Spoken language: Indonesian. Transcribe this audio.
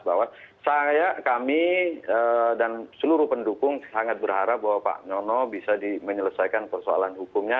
bahwa saya kami dan seluruh pendukung sangat berharap bahwa pak nyono bisa menyelesaikan persoalan hukumnya